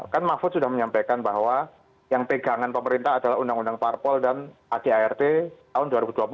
kan mahfud sudah menyampaikan bahwa yang pegangan pemerintah adalah undang undang parpol dan adart tahun dua ribu dua puluh